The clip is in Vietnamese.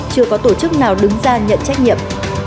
chưa có tổ chức nào đứng ra nhận trách nhiệm